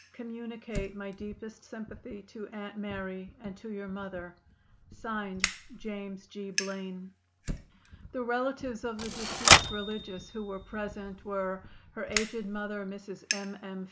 Communicate my deepest sympathy to Aunt Mary and to your mother. JAMES G. BLAINE. The relatives of the deceased religious who were present were: Her aged mother, Mrs. M. M.